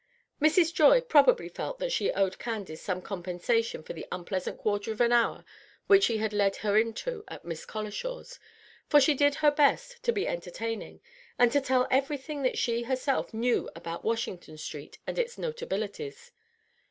Mrs. Joy probably felt that she owed Candace some compensation for the unpleasant quarter of an hour which she had led her into at Miss Colishaw's; for she did her best to be entertaining, and to tell everything that she herself knew about Washington Street and its notabilities.